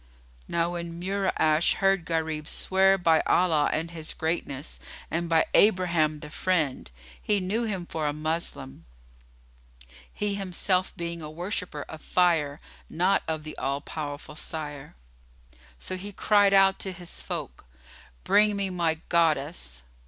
Now when Mura'ash heard Gharib swear by Allah and His greatness and by Abraham the Friend, he knew him for a Moslem (he himself being a worshipper of Fire, not of the All powerful Sire), so he cried out to his folk, "Bring me my Goddess.